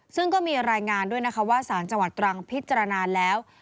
ซึ่งก็มีรายงานด้วยนะคะว่าสารจังหวัดตรังพิจารณาแล้ว